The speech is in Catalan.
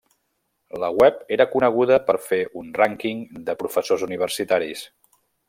La web era coneguda per fer un Rànquing de professors universitaris.